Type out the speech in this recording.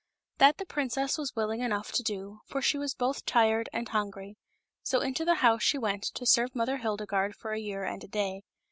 That the princess was willing enough to do, for she was both tired and hungry ; so into the house she went to serve Mother Hildegarde for a year and a day.